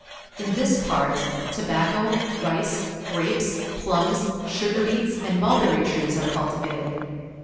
In this part, tobacco, rice, grapes, plums, sugar beets, and mulberry trees are cultivated.